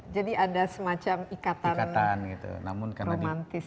jadi ada semacam ikatan romantis